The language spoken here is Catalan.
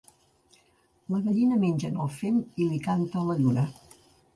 La gallina menja en el fem i li canta a la lluna.